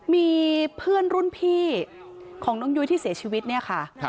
มีเพื่อนรุ่นพี่ของน้องยุ้ยที่เสียชีวิตเนี่ยค่ะ